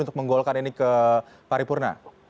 untuk menggolkan ini ke paripurna